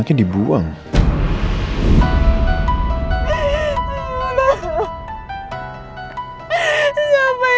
mereka lucu banget ya mas